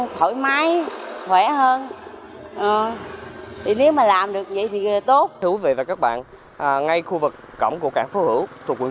thưa quý vị và các bạn ngay khu vực cổng của cảng phú hủ thuộc quận chín